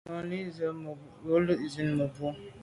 Bin lo zin mebwô.